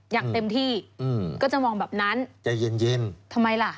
อย่างเต็มที่อืมก็จะมองแบบนั้นใจเย็นเย็นทำไมล่ะ